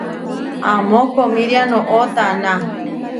Amó koʼomíria noʼó taná.